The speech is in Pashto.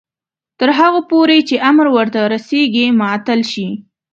تر هغو پورې چې امر ورته رسیږي معطل شي.